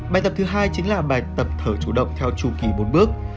bài tập thứ hai chính là bài tập thở chủ động theo chu kỳ bốn bước